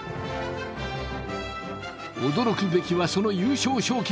驚くべきはその優勝賞金。